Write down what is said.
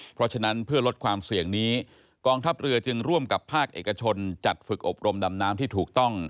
เพราะฉะนั้นเพื่อลดความเสี่ยงนี้กองทัพเรือจึงร่วมกับภาคเอกชนจัดฝึกอบรมดำน้ำที่ถูกต้อง